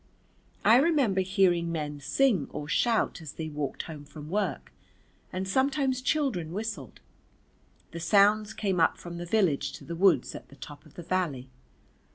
I remember hearing men sing or shout as they walked home from work, and sometimes children whistled; the sounds came up from the village to the woods at the top of the valley.